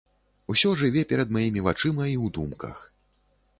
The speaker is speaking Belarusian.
Усё жыве перад маімі вачыма і ў думках.